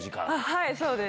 はい、そうです。